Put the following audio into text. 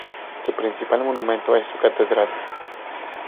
Su principal monumento es su catedral.